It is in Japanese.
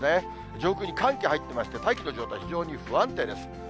上空に寒気入ってまして、大気の状態非常に不安定です。